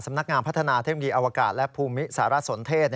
สำนักงานพัฒนาเทคงีย์อวกาศและภูมิสารสนเทศ